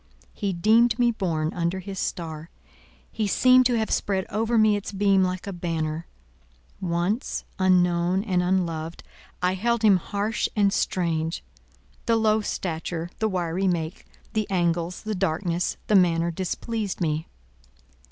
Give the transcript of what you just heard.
He deemed me born under his star: he seemed to have spread over me its beam like a banner. Once—unknown, and unloved, I held him harsh and strange; the low stature, the wiry make, the angles, the darkness, the manner, displeased me.